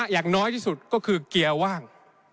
อย่างน้อยที่สุดก็คือเกียร์ว่าง